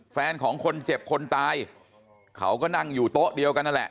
แฟนของคนเจ็บคนตายเขาก็นั่งอยู่โต๊ะเดียวกันนั่นแหละ